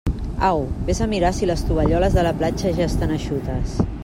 Au, vés a mirar si les tovalloles de la platja ja estan eixutes.